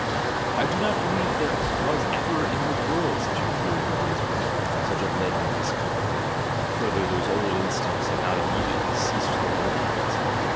I do not be lieve there was ever in the world such a feeling of misery, such a leaden discomfort — further, those old instincts had not immediately ceased their demands!